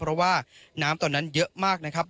เพราะว่าน้ำตอนนั้นเยอะมากนะครับ